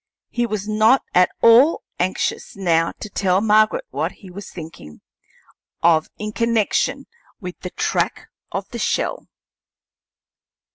He was not at all anxious now to tell Margaret what he was thinking of in connection with the track of the shell.